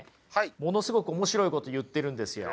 ものすごく面白いこと言ってるんですよ。